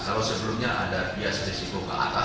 kalau sebelumnya ada bias risiko ke atas